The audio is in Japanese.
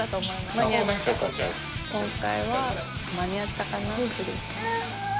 今回は間に合ったかな。